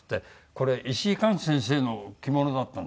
これ伊志井寛先生の着物だったんです。